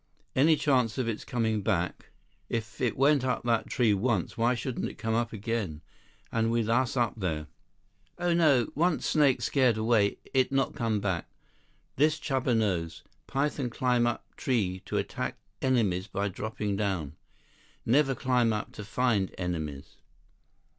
"Any chance of its coming back? If it went up that tree once, why shouldn't it come up again? And with us up there!" "Oh, no. Once snake scared away, it not come back. This Chuba knows. Python climb up tree to attack enemies by dropping down. Never climb up to find enemies."